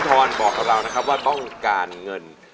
ป้องการเงินต้องการเงิน